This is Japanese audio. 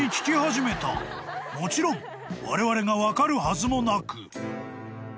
［もちろんわれわれが分かるはずもなく］